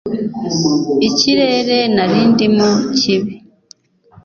ikirere narindimo kibi